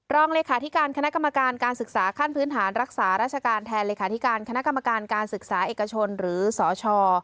รองเลขาธิการคณะกรรมการการศึกษาขั้นพื้นฐานรักษาราชการแทนเลขาธิการคณะกรรมการการศึกษาเอกชนหรือสช